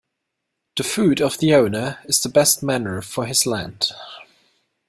The foot of the owner is the best manure for his land.